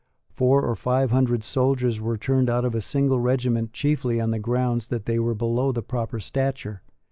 Four or five hundred soldiers were turned out of a single regiment chiefly on the ground that they were below the proper stature.